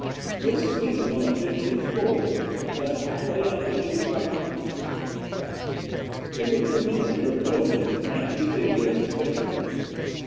This suite was on the fifteenth floor, just half way up in the big structure. They went to the manager of the building and frankly stated their suspicions.